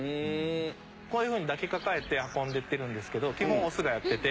こういうふうに抱きかかえて運んでってるんですけど基本オスがやってて。